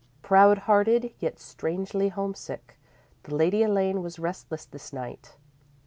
_ _Proud hearted, yet strangely homesick, the Lady Elaine was restless this night.